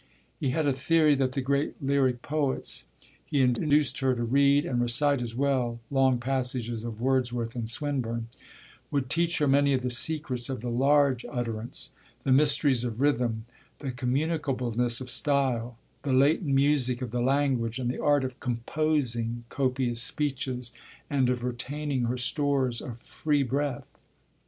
He had a theory that the great lyric poets he induced her to read, and recite as well, long passages of Wordsworth and Swinburne would teach her many of the secrets of the large utterance, the mysteries of rhythm, the communicableness of style, the latent music of the language and the art of "composing" copious speeches and of retaining her stores of free breath.